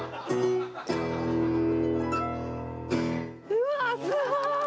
うわっすごーい！